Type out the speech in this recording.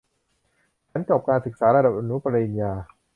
ฉันจบการศึกษาระดับอนุปริญญา